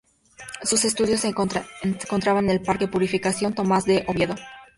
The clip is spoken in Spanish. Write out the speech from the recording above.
Sus estudios se encontraban en el Parque Purificación Tomás de Oviedo.